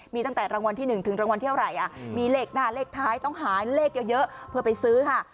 มีตั้งแต่รางวัลที่๑ถึงรางวัลเท่าไหร่มีเลขหน้าเลขท้ายต้องหาเลขเยอะเพื่อไปซื้อค่ะ